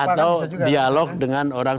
atau dialog dengan orang